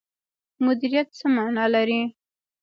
مدیریت څه مانا لري؟